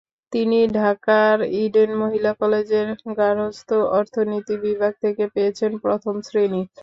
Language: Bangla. তিনি ঢাকার ইডেন মহিলা কলেজের গার্হস্থ্য অর্থনীতি বিভাগ থেকে পেয়েছেন প্রথম শ্রেণি।